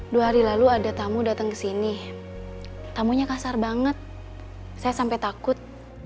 dua hari lalu ada tamu datang ke sini tamunya kasar banget saya sampai takut